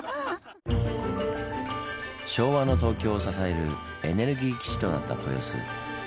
昭和の東京を支えるエネルギー基地となった豊洲。